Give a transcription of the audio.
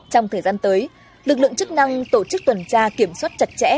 trong thời gian tới lực lượng chức năng tổ chức tuần tra kiểm soát chặt chẽ